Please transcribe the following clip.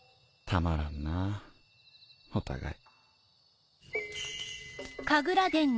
たまらんなぁお互い。